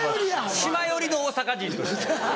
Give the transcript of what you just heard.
島寄りの大阪人として。